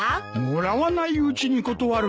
もらわないうちに断るのか。